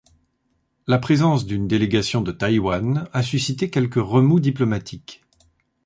La présence d'une délégation de Taïwan a suscité quelques remous diplomatiques.